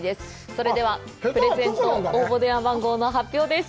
それでは、プレゼント応募電話番号の発表です。